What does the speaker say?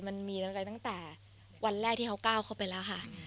มันมีตั้งแต่วันแรกที่เขาก้าวเข้าไปแล้วค่ะ